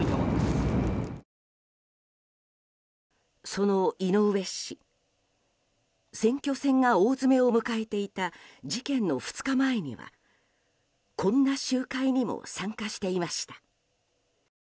その井上氏選挙戦が大詰めを迎えていた事件の２日前にはこんな集会にも参加していました。